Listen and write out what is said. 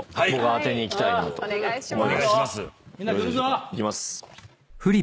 いきます。